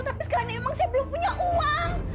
tapi sekarang ini memang saya belum punya uang